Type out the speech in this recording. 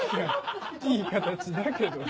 いい形だけど。